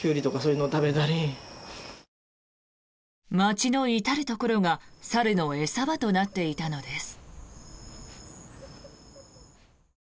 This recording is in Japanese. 街の至るところが猿の餌場となっていたのです。